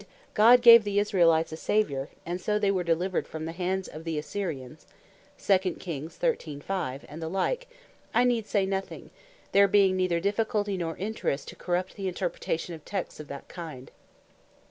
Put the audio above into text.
"God gave the Israelites a Saviour, and so they were delivered from the hand of the Assyrians," and the like, I need say nothing; there being neither difficulty, nor interest, to corrupt the interpretation of texts of that kind.